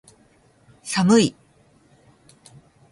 寒い